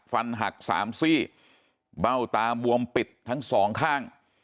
ฟันหักสามซี่เบ้าตาบวมปิดทั้งสองข้าง